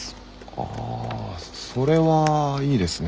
ああそれはいいですね。